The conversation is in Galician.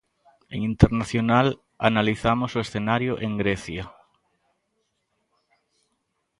En internacional, analizamos o escenario en Grecia.